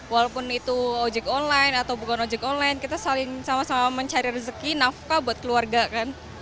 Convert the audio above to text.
walaupun itu ojek online atau bukan ojek online kita saling sama sama mencari rezeki nafkah buat keluarga kan